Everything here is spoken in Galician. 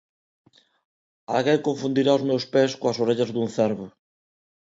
Alguén confundirá os meus pés coas orellas dun cervo.